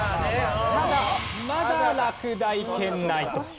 ただまだ落第圏内と。